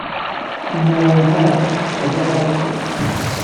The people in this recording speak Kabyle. Imi ay iḥar, yeḍḍef aṭaksi.